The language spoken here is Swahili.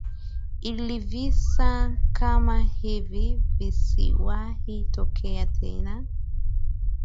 ilivisa kama hivi visiwahi tokea tena